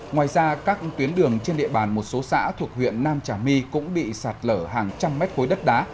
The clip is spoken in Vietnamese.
ngoài ra các tuyến đường trên địa bàn một số xã thuộc huyện nam trà my cũng bị sạt lở hàng trăm mét khối đất đá